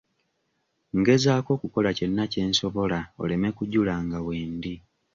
Ngezaako okukola kyonna kye nsobola oleme kujula nga wendi.